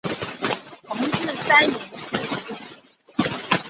同治三年逝世。